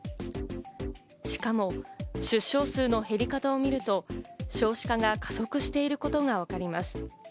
しかも出生数の減り方を見ると少子化が加速していることがわかります。